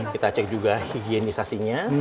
kita cek juga higienisasinya